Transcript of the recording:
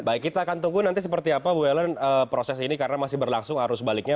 baik kita akan tunggu nanti seperti apa bu ellen proses ini karena masih berlangsung arus baliknya